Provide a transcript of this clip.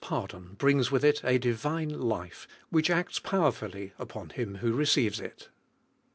pardon brings with ii a divine life which ' acta powerfully upon him who receives it.